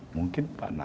mungkin pak nad